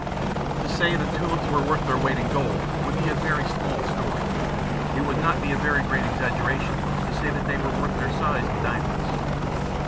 To say that the tulips were worth their weight in gold would be a very small story. It would not be a very great exaggeration to say that they were worth their size in diamonds.